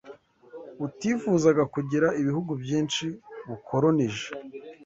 butifuzaga kugira ibihugu byinshi bukolonije